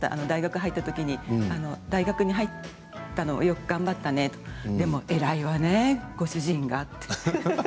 大学、入ったときに大学に入ったのはよく頑張ったねでも偉いわね、ご主人がって。